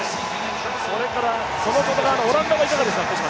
それからその外側のオランダはいかがですか？